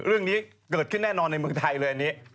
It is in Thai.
เรื่องนี้เกิดขึ้นแน่นอนในเมืองไทยเลยอันนี้